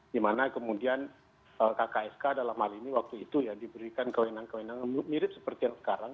dimana kemudian kksk dalam hal ini waktu itu ya diberikan kewenangan kewenangan mirip seperti yang sekarang